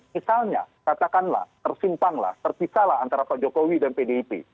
misalnya katakanlah tersimpanglah terpisahlah antara pak jokowi dan pak jokowi